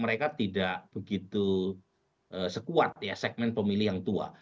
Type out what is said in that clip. mereka tidak begitu sekuat ya segmen pemilih yang tua